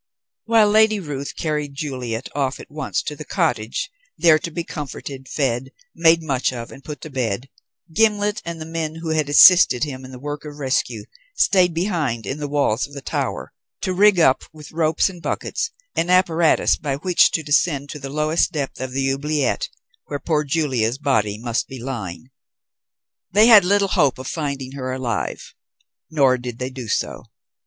While Lady Ruth carried Juliet off at once to the cottage, there to be comforted, fed, made much of and put to bed, Gimblet and the men who had assisted him in the work of rescue stayed behind in the walls of the tower, to rig up, with ropes and buckets, an apparatus by which to descend to that lowest depth of the oubliette where poor Julia's body must be lying. They had little hope of finding her alive; nor did they do so.